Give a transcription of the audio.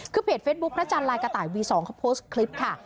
คือเพจเฟซบุ๊คพระจันทร์ลายกระต่ายวี๒เขาโพสต์คลิปค่ะ